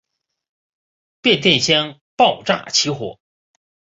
变电箱爆炸起火。